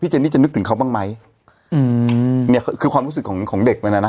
เจนนี่จะนึกถึงเขาบ้างไหมอืมเนี้ยคือความรู้สึกของของเด็กมันน่ะนะ